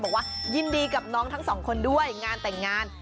บอกว่ายินดีกับน้องทั้งสองคนด้วยงานแต่งงาน